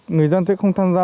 người dân sẽ không tham gia